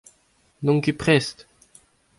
N'on ket prest.